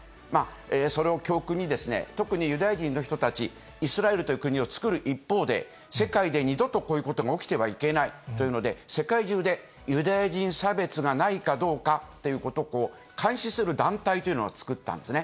それを教訓に、特にユダヤ人の人たち、イスラエルという国をつくる一方で、世界で二度とこういうことが起きてはいけないというので、世界中でユダヤ人差別がないかどうかということを監視する団体というのを作ったんですね。